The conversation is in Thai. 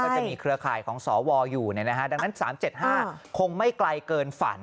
จะมีเครือข่ายของสวอยู่ดังนั้น๓๗๕คงไม่ไกลเกินฝัน